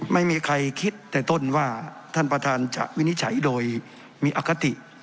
ไม่มีใครคิดแต่ต้นว่าท่านประธานจะวินิจฉัยโดยมีอคติ